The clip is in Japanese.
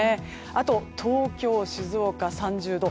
あと、東京、静岡は３０度。